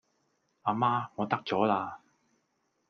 阿媽，我得咗啦!